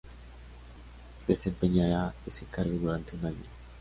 Desempeñará ese cargo durante un año.